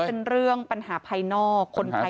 บอกว่าเป็นเรื่องปัญหาภายนอกคนภายนอก